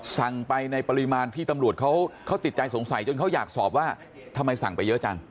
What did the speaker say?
สั่งไปในปริมาณที่ตำรวจเขาติดใจสงสัยจนเขาอยากสอบว่าทำไมสั่งไปเยอะจัง